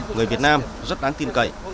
người việt nam rất đáng tin cậy